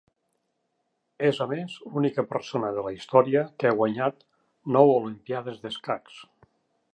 És a més l'única persona de la història que ha guanyat nou Olimpíades d'escacs.